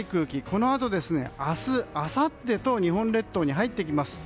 このあと明日、あさってと日本列島に入ってきます。